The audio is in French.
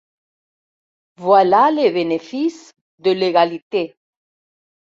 Voilà les bénéfices de l’égalité.